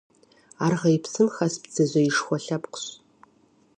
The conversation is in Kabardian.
Аргъейр псым хэс бдзэжьеишхуэ лъэпкъщ.